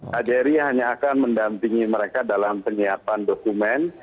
kjri hanya akan mendampingi mereka dalam penyiapan dokumen